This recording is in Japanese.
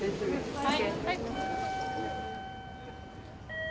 はい！